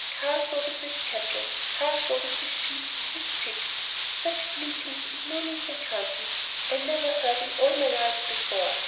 Cars loaded with cattle, cars loaded with sheep, with pigs! Such bleatings and mooings and gruntings, I never heard in all my life before.